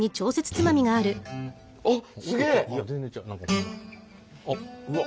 あっすげえ！